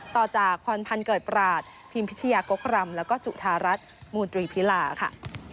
ต่อจากพรพันธ์เกิดปราศพิมพิชยากกรำแล้วก็จุธารัฐมูลตรีพิลาค่ะ